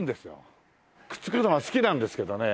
くっつけるのは好きなんですけどね。